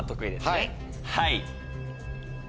はい！